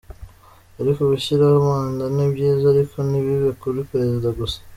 Ariko gushyiraho manda ni byiza ariko ntibibe kuri perezida gusa.